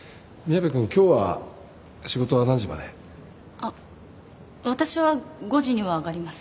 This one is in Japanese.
あっ私は５時には上がります。